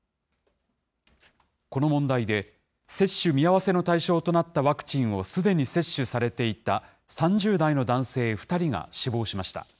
この問題で、接種見合わせの対象となったワクチンをすでに接種されていた３０代の男性２人が死亡しました。